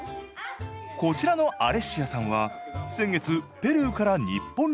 こちらのアレッシアさんは先月ペルーから日本に来たばかり。